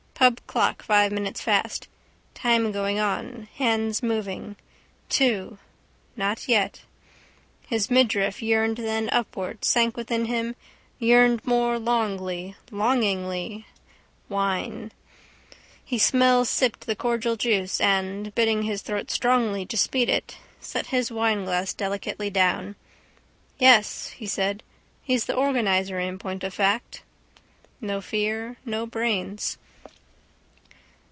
Pub clock five minutes fast. Time going on. Hands moving. Two. Not yet. His midriff yearned then upward, sank within him, yearned more longly, longingly. Wine. He smellsipped the cordial juice and, bidding his throat strongly to speed it, set his wineglass delicately down. —Yes, he said. He's the organiser in point of fact. No fear: no brains.